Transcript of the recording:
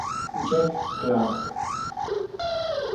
Jack Clarke